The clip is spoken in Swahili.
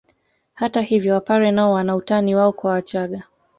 Hata hivyo wapare nao wana utani wao kwa wachaga